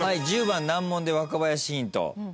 １０番難問で若林ヒント。